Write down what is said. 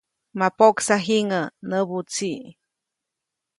‒ma poʼksa jiŋäʼ‒ näbu tsiʼ.